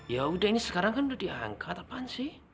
yaudah ini sekarang kan udah diangkat apaan sih